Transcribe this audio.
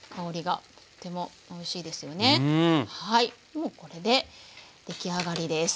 もうこれで出来上がりです。